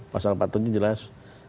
pasal patung jelas